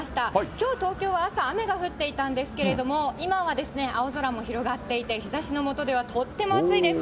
きょう、東京は朝、雨が降っていたんですけれども、今は青空も広がっていて、日ざしの下ではとっても暑いです。